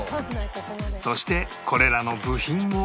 そしてこれらの部品を